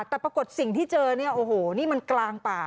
แต่ปรากฏสิ่งที่เจอเนี่ยโอ้โหนี่มันกลางป่า